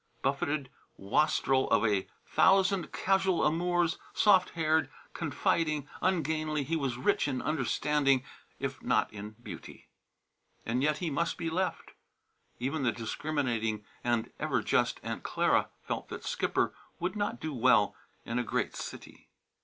Buffeted wastrel of a thousand casual amours, soft haired, confiding, ungainly, he was rich in understanding if not in beauty. And yet he must be left. Even the discriminating and ever just Aunt Clara felt that Skipper would not do well in a great city.